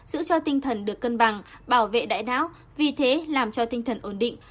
giữ cho tinh thần được cân bằng bảo vệ đại đáo vì thế làm cho tinh thần ổn định